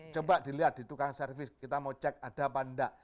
coba dilihat di tukang servis kita mau cek ada apa enggak